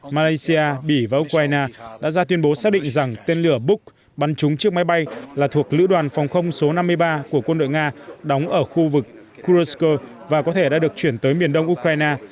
malaysia bỉ và ukraine đã ra tuyên bố xác định rằng tên lửa buok bắn trúng chiếc máy bay là thuộc lữ đoàn phòng không số năm mươi ba của quân đội nga đóng ở khu vực kurusk và có thể đã được chuyển tới miền đông ukraine